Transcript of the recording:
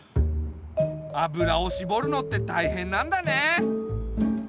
油をしぼるのってたいへんなんだね。